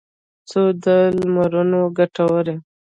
څو د لمرونو کټوري